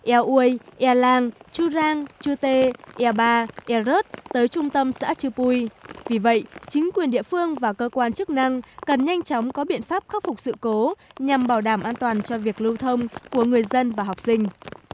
tới trung tâm xã chư pui vì vậy chính quyền địa phương và cơ quan chức năng cần nhanh chóng có biện pháp khắc phục sự cố nhằm bảo đảm an toàn cho việc lưu thông của người dân và học sinh